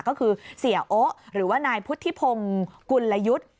ก็คือเสียโอ๊ะหรือว่านายพุทธิพงศ์กุลยุทธ์